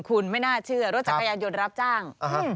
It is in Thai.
คุณไม่น่าเชื่อรถจักรยานยนต์รับจ้าง